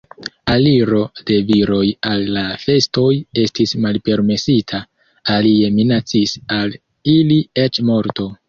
Aliro de viroj al la festoj estis malpermesita, alie minacis al ili eĉ morto.